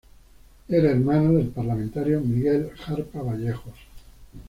Era hermano del parlamentario Miguel Jarpa Vallejos.